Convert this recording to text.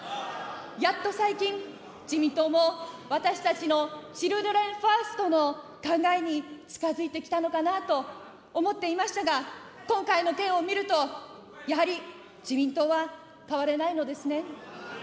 やっと最近、自民党も私たちのチルドレンファーストの考えに近づいてきたのかなと思っていましたが、今回の件を見ると、やはり自民党は変われないのですね。